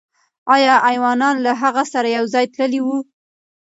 آیا ایوانان له هغه سره یو ځای تللي وو؟